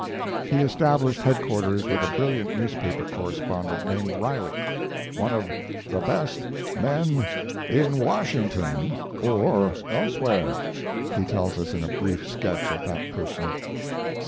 He established headquarters with a brilliant newspaper correspondent named Riley. "One of the best men in Washington or elsewhere," he tells us in a brief sketch of that person.